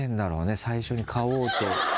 最初に買おうと。